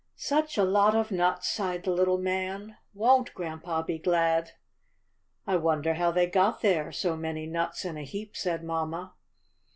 ^^Such a lot of nuts,^' sighed the little man; ^'wonH grandpa be glad?" wonder how they got there — so many nuts in a heap," said mamma.